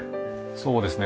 そうですね。